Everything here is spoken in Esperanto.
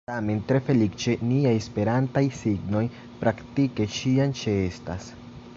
Tamen, tre feliĉe niaj esperantaj signoj praktike ĉiam ĉeestas.